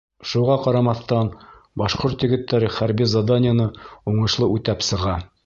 Шуға ҡарамаҫтан, башҡорт егеттәре хәрби заданиены уңышлы үтәп сыға.